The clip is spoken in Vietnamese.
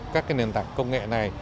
các nền tảng công nghệ này